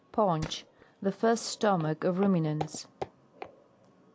PAUNCH The first stomach of Ru minants.